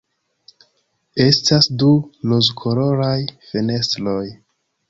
Estas du rozkoloraj fenestroj.